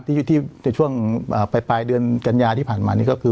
ที่ในช่วงปลายเดือนกันยาที่ผ่านมานี่ก็คือ